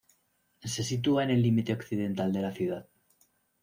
Se sitúa en el límite occidental de la ciudad.